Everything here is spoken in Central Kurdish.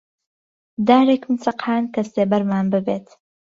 دارێکم چەقاند کە سێبەرمان ببێت